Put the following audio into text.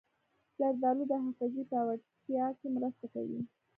زردالو د حافظې پیاوړتیا کې مرسته کوي.